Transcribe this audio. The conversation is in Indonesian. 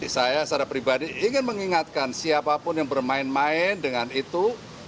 saya secara pribadi ingin mengingatkan siapapun yang bermain main dengan itu